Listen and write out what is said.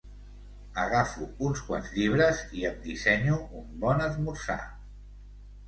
Agafo uns quants llibres i em dissenyo un bon esmorzar.